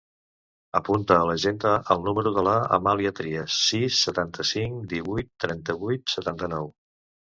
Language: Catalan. Apunta a l'agenda el número de l'Amàlia Trias: sis, setanta-cinc, divuit, trenta-vuit, setanta-nou.